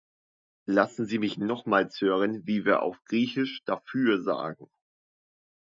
Lassen Sie mich nochmals hören, wie wir auf Griechisch "dafür" sagen.